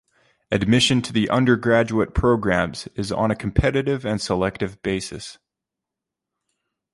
Admission to the undergraduate programmes is on a competitive and selective basis.